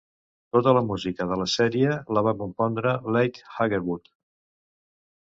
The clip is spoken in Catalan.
Tota la música de la sèrie la va compondre Leigh Haggerwood.